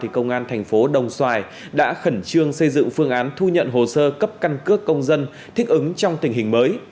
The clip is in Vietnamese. công an thành phố đồng xoài đã khẩn trương xây dựng phương án thu nhận hồ sơ cấp căn cước công dân thích ứng trong tình hình mới